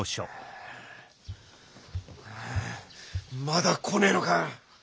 まだ来ねえのか！